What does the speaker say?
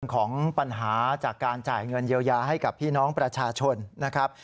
ของปัญหาจากการจ่ายเงินเยียวยาให้กับพี่น้องประชาชนนะครับ